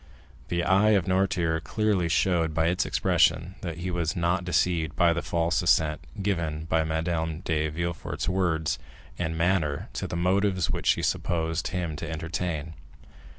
The eye of Noirtier clearly showed by its expression that he was not deceived by the false assent given by Madame de Villefort's words and manner to the motives which she supposed him to entertain.